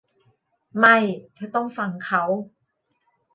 ไม่ เธอต้องฟังเขา